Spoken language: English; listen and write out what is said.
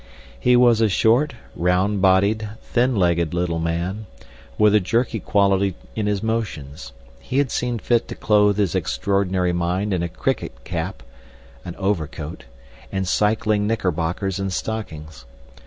He was a short, round bodied, thin legged little man, with a jerky quality in his motions; he had seen fit to clothe his extraordinary mind in a cricket cap, an overcoat, and cycling knickerbockers and stockings.